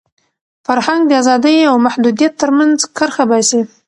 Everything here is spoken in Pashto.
فرهنګ د ازادۍ او محدودیت تر منځ کرښه باسي.